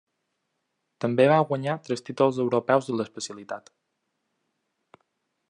També va guanyar tres títols europeus de l'especialitat.